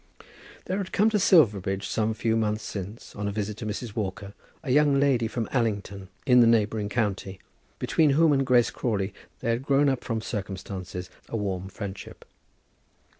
There had come to Silverbridge some few months since, on a visit to Mrs. Walker, a young lady from Allington, in the neighbouring county, between whom and Grace Crawley there had grown up from circumstances a warm friendship.